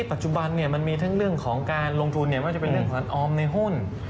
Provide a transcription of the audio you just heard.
ปัจจุบันมันมีทั้งเรื่องของการลงทุนไม่ว่าจะเป็นเรื่องของการออมในหุ้น